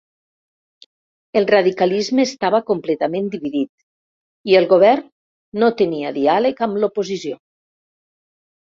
El radicalisme estava completament dividit i el govern no tenia diàleg amb l'oposició.